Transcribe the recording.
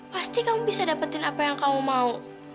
pasti kamu bisa dapetin apa yang kamu mau